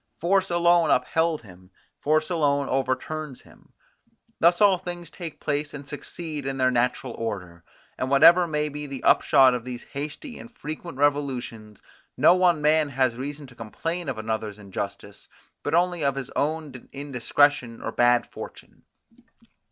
Force alone upheld him, force alone overturns him. Thus all things take place and succeed in their natural order; and whatever may be the upshot of these hasty and frequent revolutions, no one man has reason to complain of another's injustice, but only of his own indiscretion or bad fortune.